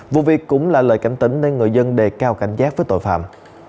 vụ việc cũng là lời cảnh tính nên người dân đề cao cảnh giác với tội phạm